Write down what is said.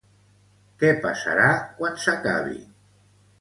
Què passarà quan s'acabi?